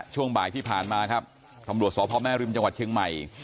ช่วงบ่ายที่ผ่านมาครับตำรวจสพแม่ริมจังหวัดเชียงใหม่